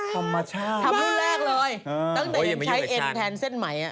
ธรรมชาติทำรุ่นแรกเลยตั้งแต่ยังใช้เอ็นแทนเส้นไหม